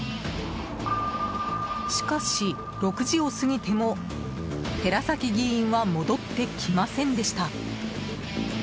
しかし、６時を過ぎても寺崎議員は戻ってきませんでした。